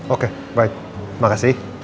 oke baik terima kasih